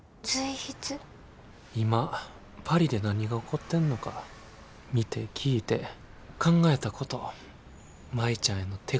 今パリで何が起こってんのか見て聞いて考えたこと舞ちゃんへの手紙のつもりで書いてる。